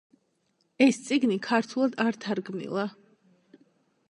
ეს წიგნი ქართულად არ თარგმნილა.